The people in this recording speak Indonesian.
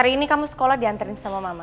hari ini kamu sekolah diantarin sama mama